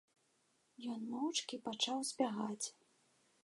Ён моўчкі пачаў збягаць.